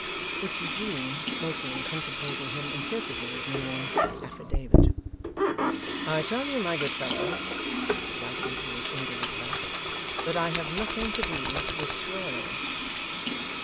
(Which Eugene, smoking and contemplating him, interpreted as meaning Affidavit.) 'I tell you, my good fellow,' said Lightwood, with his indolent laugh, 'that I have nothing to do with swearing.